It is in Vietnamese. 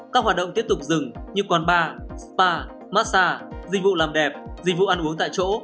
các hoạt động tiếp tục dừng như quán bar spa massage dịch vụ làm đẹp dịch vụ ăn uống tại chỗ